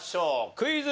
クイズ。